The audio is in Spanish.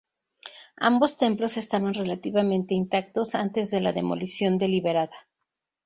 Ambos templos estaban relativamente intactos antes de la demolición deliberada.